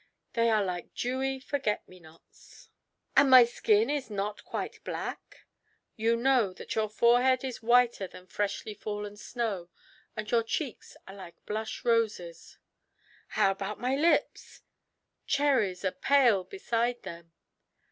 "They are like dewy forget me nots." "And my skin is not quite black?" "You know that your forehead is whiter than freshly fallen snow, and your cheeks are like blush roses." "How about my lips?" "Cherries are pale beside them."